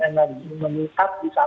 energi meningkat di sana